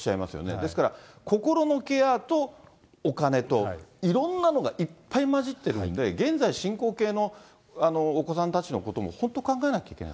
ですから、心のケアとお金といろんなのがいっぱい交じってるんで、現在進行形のお子さんたちのことも本当考えなきゃいけない。